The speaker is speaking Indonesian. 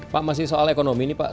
pak masih soal ekonomi ini pak